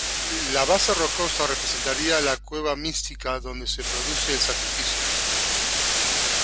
La base rocosa representaría la cueva mística donde se produce el sacrificio.